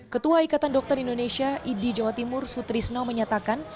ketua ikatan dokter indonesia idi jawa timur sutrisno menyatakan